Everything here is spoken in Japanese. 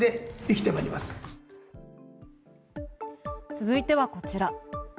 続いてはこちら。